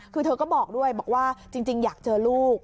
คือเธอก็บอกด้วยจริงอยากเจอลูก